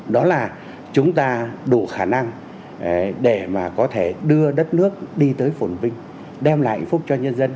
đó là chúng ta đủ khả năng để mà có thể đưa đất nước đi tới phổn vinh đem lại hạnh phúc cho nhân dân